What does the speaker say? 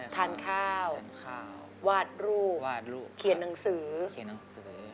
ทานข้าววาดรูปเขียนหนังสือ